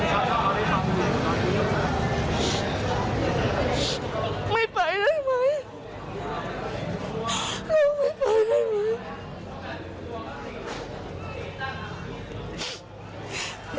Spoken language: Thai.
เราไม่ไปได้ไหม